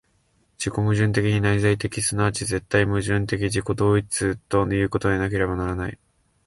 自己矛盾的に内在的、即ち絶対矛盾的自己同一ということでなければならない。